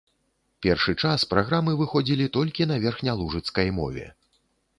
Першы час праграмы выходзілі толькі на верхнялужыцкай мове.